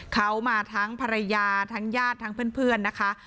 เขามาทั้งภรรยาทั้งญาติทั้งเพื่อนนะคะ